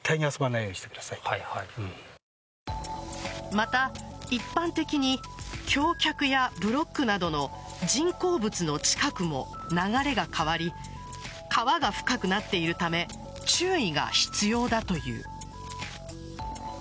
また一般的に橋脚やブロックなどの人工物の近くも流れが変わり川が深くなっているため注意が必要だという。